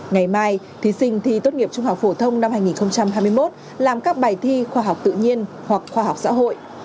ngày mai thí sinh thi tốt nghiệp trung học phổ thông năm hai nghìn hai mươi một làm các bài thi khoa học tự nhiên hoặc khoa học xã hội